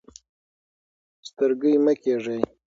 سترګۍ مه کیږئ.